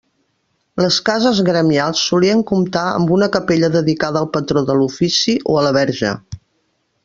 Les cases gremials solien comptar amb una capella dedicada al patró de l'ofici o a la Verge.